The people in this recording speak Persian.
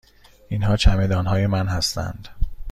اینها چمدان های من هستند.